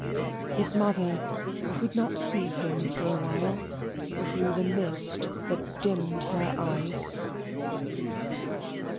His mother could not see him for awhile, through the mist that dimmed her eyes.